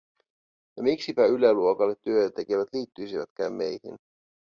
Ja miksipä yläluokalle työtä tekevät liittyisivätkään meihin?